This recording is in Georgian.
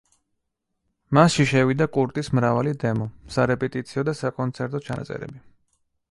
მასში შევიდა კურტის მრავალი დემო, სარეპეტიციო და საკონცერტო ჩანაწერები.